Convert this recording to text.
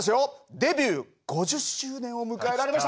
デビュー５０周年を迎えられました天童よしみさん。